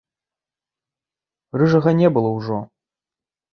Рыжага не было ўжо.